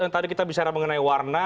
yang tadi kita bicara mengenai warna